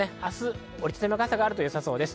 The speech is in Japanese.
折り畳みの傘があるとよさそうです。